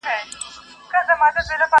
پېغلي نه نيسي د اوښو پېزوانونه.!